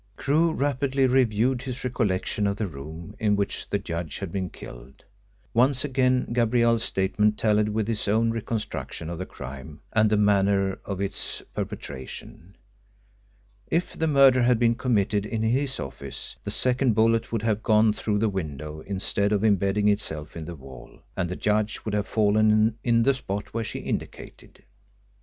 Crewe rapidly reviewed his recollection of the room in which the judge had been killed. Once again Gabrielle's statement tallied with his own reconstruction of the crime and the manner of its perpetration. If the murder had been committed in his office the second bullet would have gone through the window instead of imbedding itself in the wall, and the judge would have fallen in the spot where she indicated.